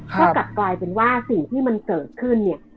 ก็กลับกลายเป็นว่าสิ่งที่มันเกิดขึ้นเนี่ย